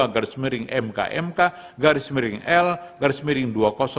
garis miring mkmk garis miring l garis miring dua ribu dua puluh tiga